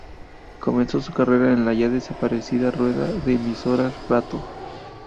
Comenzó su carrera en la ya desaparecida Rueda de Emisoras Rato.